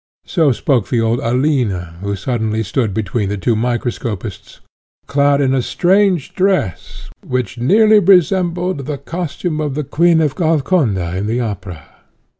So spoke the old Alina, who suddenly stood between the two microscopists, clad in a strange dress, which nearly resembled the costume of the Queen of Golconda in the opera.